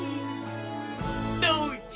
どうじゃ？